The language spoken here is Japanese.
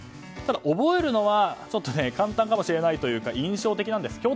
ただ、覚えるのは簡単かもしれないというか印象的なんです。